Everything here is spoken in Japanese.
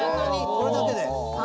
これだけで。